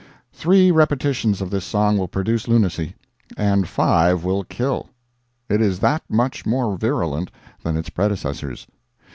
Three repetitions of this song will produce lunacy, and five will kill—it is that much more virulent than its predecessors.